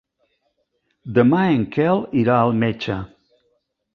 Demà en Quel irà al metge.